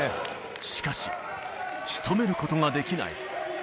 しかし、しとめることができない。